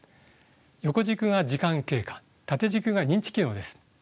横軸が時間経過縦軸が認知機能です。